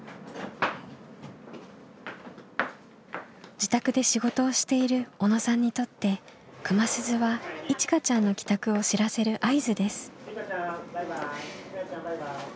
自宅で仕事をしている小野さんにとって熊鈴はいちかちゃんの帰宅を知らせる合図です。